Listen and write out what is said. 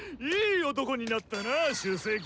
いい男になったな首席！